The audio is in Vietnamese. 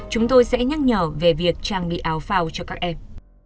chúng tôi sẽ nhắc nhở về việc trang bị áo phao cho các em